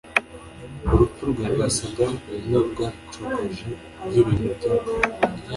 Urupfu rwe rwasaga n'urwacogoje ibyiringiro byabo.